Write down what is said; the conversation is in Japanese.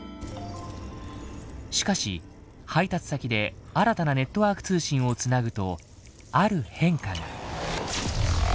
しかし配達先で新たなネットワーク通信を繋ぐとある変化が。